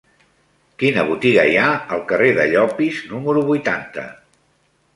Quina botiga hi ha al carrer de Llopis número vuitanta?